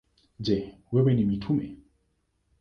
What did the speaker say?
Je, wote ni mitume?